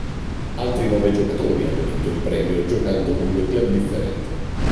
Altri nove giocatori hanno vinto il premio giocando con due club differenti.